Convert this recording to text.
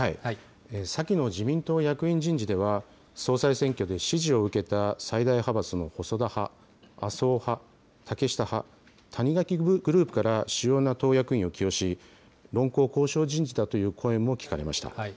先の自民党役員人事では、総裁選挙で支持を受けた最大派閥の細田派、麻生派、竹下派、谷垣グループから主要な党役員を起用し、論功行賞人事だという声も聞かれました。